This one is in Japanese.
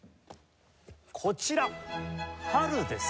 こちら「春」です。